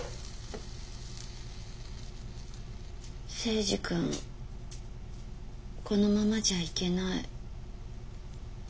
征二君このままじゃいけない。